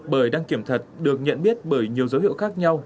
bởi đăng kiểm thật được nhận biết bởi nhiều dấu hiệu khác nhau